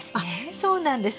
そうなんです。